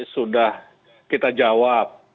sudah kita jawab